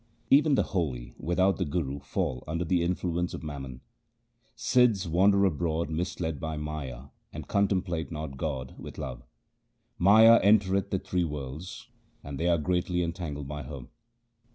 Even the holy without the Guru fall under the influence of mammon :— Sidhs wander abroad misled by Maya, and contemplate not God with love. Maya entereth the three worlds, and they are greatly entangled by her.